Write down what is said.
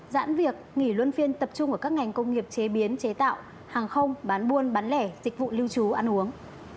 giãn việc nghỉ luân phiên tập trung ở các ngành công nghiệp chế biến chế tạo hàng không bán buôn bán lẻ dịch vụ lưu trú ăn uống